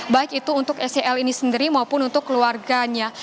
baik itu untuk scl ini sendiri maupun untuk keluarganya